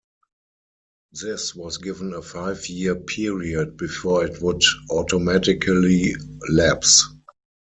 This was given a five-year period before it would automatically lapse.